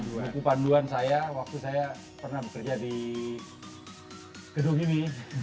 waktu panduan saya waktu saya pernah bekerja di gedung ini